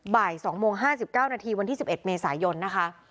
บ่าย๒โมง๕๙นาทีวันที่๑๑เมษายนนะคะ